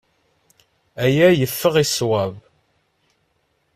Aya yeffeɣ i ṣṣwab.